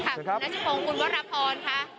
คุณนัชพงศ์คุณวรพรค่ะ